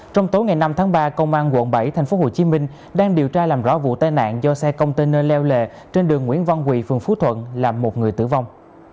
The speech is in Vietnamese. trong tối ngày năm tháng ba công an quận bảy tp hcm đang điều tra làm rõ vụ tai nạn do xe container trên đường nguyễn văn quỳ phường phú thuận làm một người tử vong